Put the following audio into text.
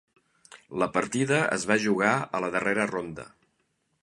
La partida es va jugar a la darrera ronda.